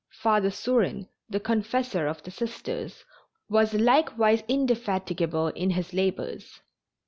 Father Sourin, the confessor of the Sisters, was likewise indefatigable in his labors.